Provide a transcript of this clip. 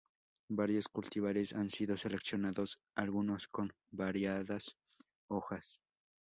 Varios cultivares han sido seleccionados, algunos con variadas hojas.